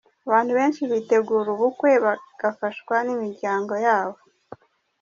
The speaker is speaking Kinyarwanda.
Abantu benshi bitegura ubukwe bafashwa n’imiryango yabo.